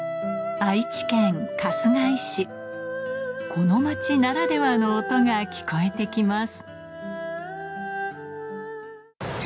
この街ならではの音が聞こえてきます